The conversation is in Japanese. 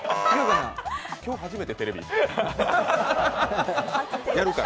今日初めて？テレビ？